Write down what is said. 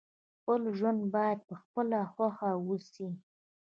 خپل ژوند باید په خپله خوښه وسي.